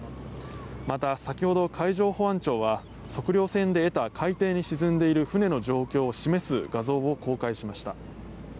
また、先ほど海上保安庁は測量船で得た海底に沈んでいる船の状況を示す画像を公開しました。